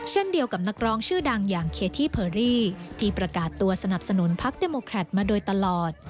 เช่นเดียวกับนักร้องชื่อดังอย่างเคที่เพอรี่ที่ประกาศตัวสนับสนุนพักเดโมแครตมาโดยตลอด